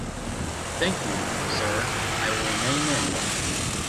Thank you, sir, I will remain in.